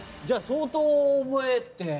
じゃあ相当覚えて。